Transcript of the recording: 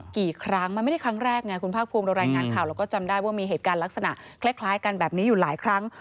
กี่ครั้งมันไม่ได้ครั้งแรกไงคุณภาคภูมิเรารายงานข่าวเราก็จำได้ว่ามีเหตุการณ์ลักษณะคล้ายกันแบบนี้อยู่หลายครั้ง